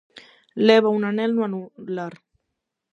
Leva un anel no anular.